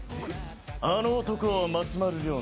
あの男は松丸亮吾。